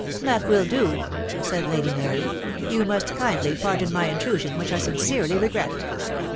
"That will do," said Lady Mary. "You must kindly pardon my intrusion, which I sincerely regret."